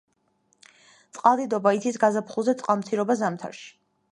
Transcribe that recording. წყალდიდობა იცის გაზაფხულზე, წყალმცირობა ზამთარში.